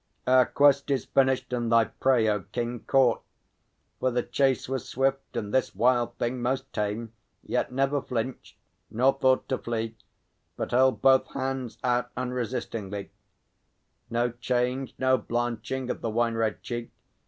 Our quest is finished, and thy prey, O King, Caught; for the chase was swift, and this wild thing Most tame; yet never flinched, nor thought to flee, But held both hands out unresistingly No change, no blanching of the wine red cheek.